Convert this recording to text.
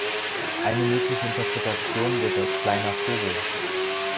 Eine mögliche Interpretation wäre "kleiner Vogel".